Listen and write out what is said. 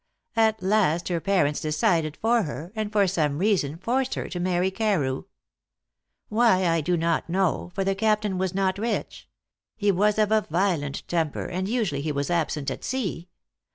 At last her parents decided for her, and for some reason forced her to marry Carew. Why, I do not know, for the Captain was not rich; he was of a violent temper, and usually he was absent at sea.